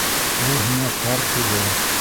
Ул һиңә пар түгел.